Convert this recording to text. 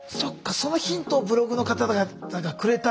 そのヒントをブログの方々がくれたんだ。